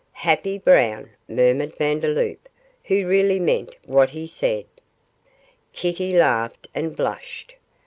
'Happy Brown!' murmured Vandeloup, who really meant what he said. Kitty laughed, and blushed.